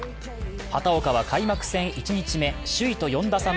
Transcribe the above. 畑岡は開幕戦１日目首位と４打差の